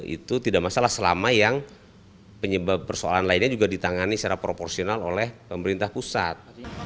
itu tidak masalah selama yang penyebab persoalan lainnya juga ditangani secara proporsional oleh pemerintah pusat